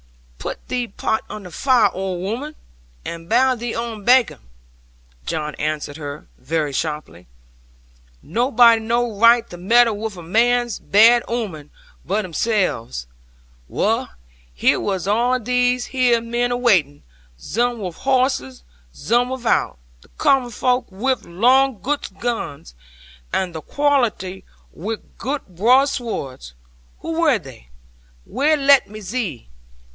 'Putt thee pot on the fire, old 'ooman, and bile thee own bakkon,' John answered her, very sharply: 'nobody no raight to meddle wi' a man's bad ooman but himzell. Wull, here was all these here men awaitin', zum wi' harses, zum wi'out; the common volk wi' long girt guns, and tha quarlity wi' girt broad swords. Who wor there? Whay latt me zee.